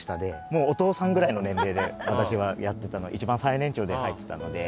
もうお父さんぐらいの年齢で私はやってた一番最年長で入ってたので。